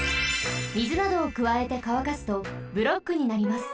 みずなどをくわえてかわかすとブロックになります。